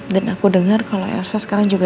dan aku denger kalau elsa sekarang juga